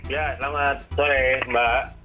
ya selamat sore mbak